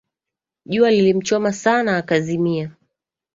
Jua lilimchoma sana akazimia